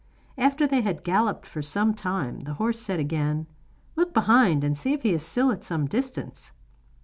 After they had galloped for some time, the horse said again: 'Look behind, and see if he is still at some distance.